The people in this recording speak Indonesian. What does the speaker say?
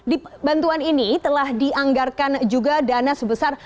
di bantuan ini telah dianggarkan juga dana sebesar